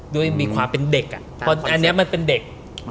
ด้วยความเป็นเด็กอันนี้มันเป็นเด็ก